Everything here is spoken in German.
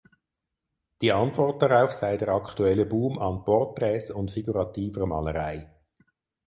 Die Antwort darauf sei der aktuelle Boom an Porträts und figurativer Malerei.